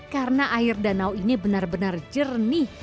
karena air danau ini benar benar jernih